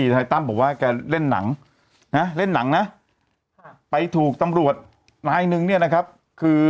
นายตั้มบอกว่าแกเล่นหนังนะเล่นหนังนะไปถูกตำรวจนายนึงเนี่ยนะครับคือ